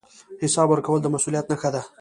حساب ورکول د مسوولیت نښه ده